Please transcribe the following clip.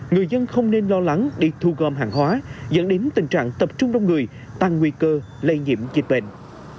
nếu các công sở nhà máy công trường muốn hoạt động thì phải đảm bảo các điều kiện để cán bộ công chức người lao động phải ở tại chỗ